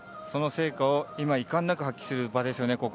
その成果をいかんなく発揮する場ですよね